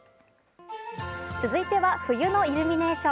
続いては冬のイルミネーション。